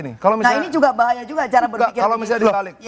nah ini juga bahaya juga cara berpikirnya